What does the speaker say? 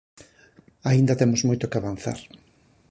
Aínda temos moito que avanzar.